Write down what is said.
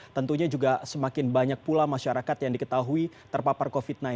tentunya juga semakin banyak pula masyarakat yang diketahui terpapar covid sembilan belas